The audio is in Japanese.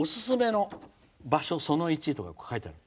おすすめの場所、その１とか書いてある。